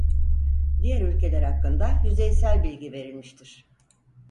Diğer ülkeler hakkında yüzeysel bilgi verilmiştir.